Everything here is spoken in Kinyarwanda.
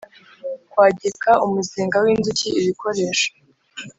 kwagika umuzinga w inzuki ibikoresho